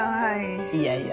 いやいや。